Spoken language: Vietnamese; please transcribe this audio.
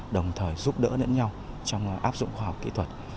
đồng thời giúp đỡ lẫn nhau trong áp dụng khoa học kỹ thuật